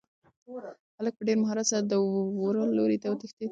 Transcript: هلک په ډېر مهارت سره د وره لوري ته وتښتېد.